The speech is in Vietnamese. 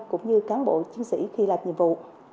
cũng như cán bộ chiến sĩ khi làm nhiệm vụ